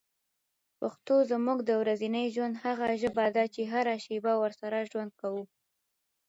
پښتو زموږ د ورځني ژوند هغه ژبه ده چي هره شېبه ورسره ژوند کوو.